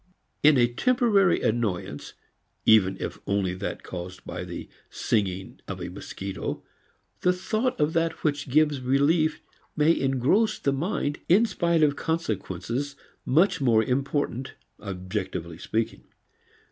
In a temporary annoyance, even if only that caused by the singing of a mosquito, the thought of that which gives relief may engross the mind in spite of consequences much more important, objectively speaking.